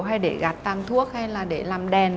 hay để gạt tàn thuốc hay là để làm đèn